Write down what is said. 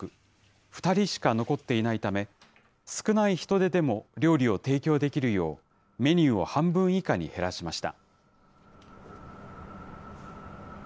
２人しか残っていないため、少ない人手でも料理を提供できるよう、メニューを半分以下に減らしました。